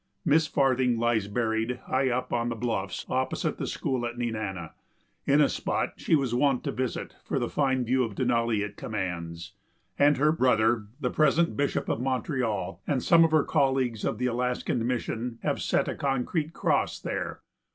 Miss Farthing lies buried high up on the bluffs opposite the school at Nenana, in a spot she was wont to visit for the fine view of Denali it commands, and her brother, the present bishop of Montreal, and some of her colleagues of the Alaskan mission, have set a concrete cross there.